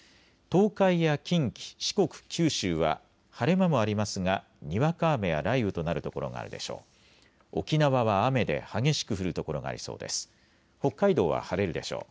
東海や近畿、四国、九州は晴れ間もありますがにわか雨や雷雨となる所があるでしょう。